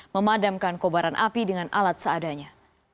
memadamkan kobaran api dengan alat seadanya